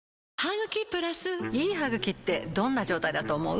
いい歯ぐきってどんな状態だと思う？